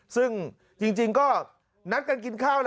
ซึ่งจริงก็นัดกันกินข้าว